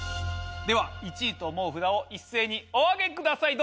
では１位と思う札を一斉にお上げください。